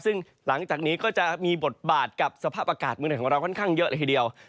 ซึ่งหลังจากนี้ก็จะมีบทบาทกับสภาพอากาศเมืองไหนของเราค่อนข้างเยอะเลยทีเดียว